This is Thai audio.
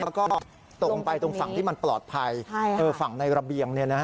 แล้วก็ตกลงไปตรงฝั่งที่มันปลอดภัยฝั่งในระเบียง